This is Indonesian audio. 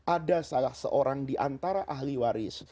ada salah seorang di antara ahli waris